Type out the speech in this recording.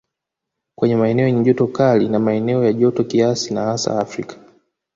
Kwenye maeneo yenye joto kali na maeneo ya joto kiasi na hasa Afrika